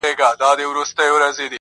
پردی ملا راغلی دی پردي یې دي نیتونه -